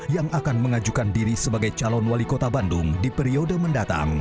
yang akan mengajukan diri sebagai calon wali kota bandung di periode mendatang